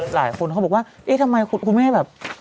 หลายคนเขาบอกว่าทำไมคุณไม่ให้แบบ